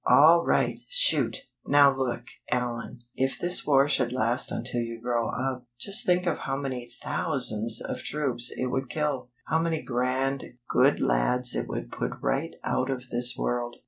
"All right. Shoot!" "Now look, Allan. If this war should last until you grow up, just think of how many thousands of troops it would kill. How many grand, good lads it would put right out of this world."